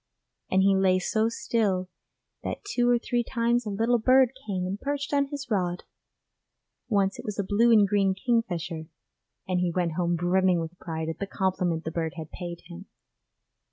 And he lay so still that two or three times a little bird came and perched on his rod once it was a blue and green kingfisher and he went home brimming with pride at the compliment the bird had paid him.